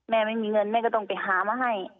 ไม่มีเงินแม่ก็ต้องไปหามาให้